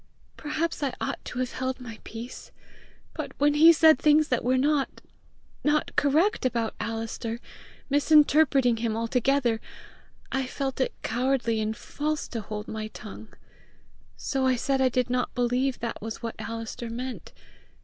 Perhaps I ought to have held my peace, but when he said things that were not not correct about Alister, misinterpreting him altogether, I felt it cowardly and false to hold my tongue. So I said I did not believe that was what Alister meant.